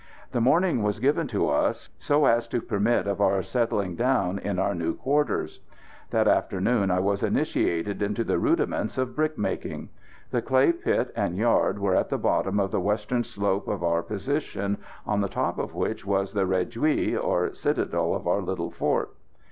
The morning was given to us, so as to permit of our settling down in our new quarters. That afternoon I was initiated into the rudiments of brick making. The clay pit and yard were at the bottom of the western slope of our position, on the top of which was the réduit or citadel of our little fort.